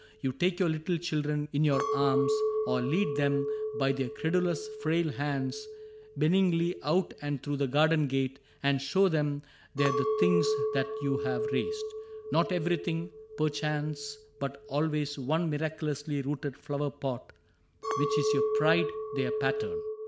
You take your little children in your arms. Or lead them by their credulous frail hands Benignly out and through the garden gate And show them there the things that you have raised ; Not everything, perchance, but always one Miraculously rooted flower plot Which is your pride, their pattern.